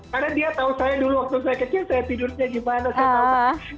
karena dia tahu saya dulu waktu saya kecil saya tidurnya gimana saya tahu